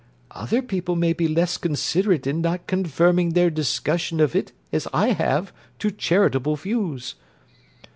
"Other people may be less considerate in not confining their discussion of it, as I have, to charitable views."...